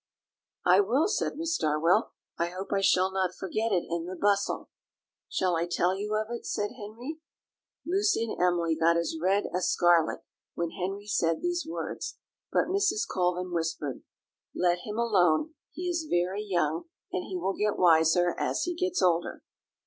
"I will," said Miss Darwell; "I hope I shall not forget it in the bustle." "Shall I tell you of it?" said Henry. Lucy and Emily got as red as scarlet when Henry said these words; but Mrs. Colvin whispered: "Let him alone, he is very young, and he will get wiser as he gets older."